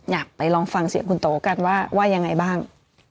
อยากไปลองฟังเสียงคุณโตกันว่าว่ายังไงบ้าง